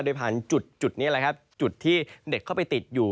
โดยผ่านจุดนี้แหละครับจุดที่เด็กเข้าไปติดอยู่